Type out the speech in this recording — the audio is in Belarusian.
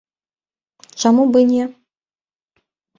Чаму б і не!